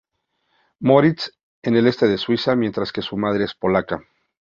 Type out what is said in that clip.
Moritz en el este de Suiza, mientras que su madre es polaca.